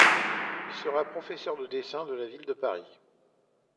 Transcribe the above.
Il sera professeur de dessin de la Ville de Paris.